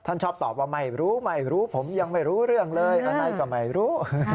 ท่านชอบตอบว่าไม่รู้ผมยังไม่รู้เรื้องเลยเอาไงก็ไม่รู้